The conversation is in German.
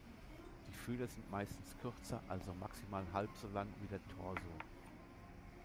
Die Fühler sind meistens kürzer, also maximal halb so lang wie der Torso.